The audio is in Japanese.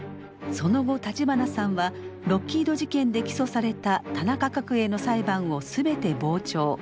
その後立花さんはロッキード事件で起訴された田中角栄の裁判を全て傍聴。